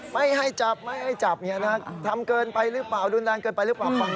ไม่ให้จับไม่ให้จับทำเกินไปหรือเปล่ารุนแรงเกินไปหรือเปล่าฟัง